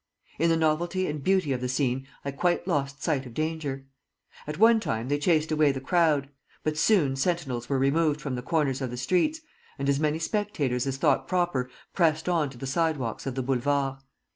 In the novelty and beauty of the scene I quite lost sight of danger. At one time they chased away the crowd; but soon sentinels were removed from the corners of the streets, and as many spectators as thought proper pressed on to the sidewalks of the Boulevard....